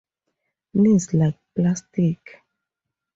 Knees like plastic.